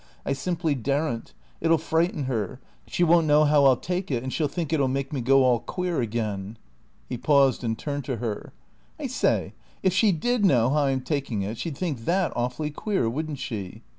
I simply daren't. It'll frighten her. She won't know how I'll take it, and she'll think it'll make me go all queer again." He paused and turned to her. "I say, if she did know how I'm taking it, she'd think that awfully queer, wouldn't she?"